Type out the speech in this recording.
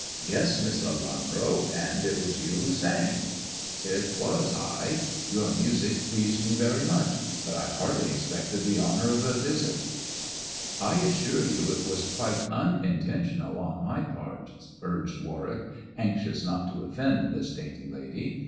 " Yes, Miss Lelanro ; and it was you who sang 1 " "It was I. Your music pleased me very much, but I hardly expected the honour of a visit." "I assure you it was quite unintentional on my part," urged Warwick, anxious not to offend this dainty lady.